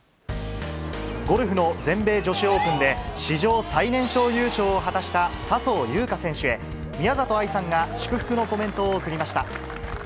ゴルフの全米女子オープンで、史上最年少優勝を果たした笹生優花選手へ宮里藍さんが祝福のコメントを送りました。